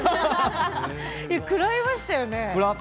くらいましたよね。